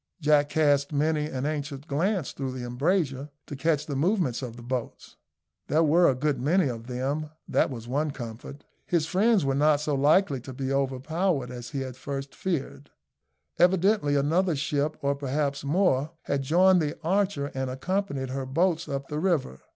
Jack cast many an anxious glance through the embrasure, to catch the movements of the boats. There were a good many of them that was one comfort. His friends were not so likely to be overpowered as he at first feared. Evidently another ship, or perhaps more, had joined the Archer and accompanied her boats up the river.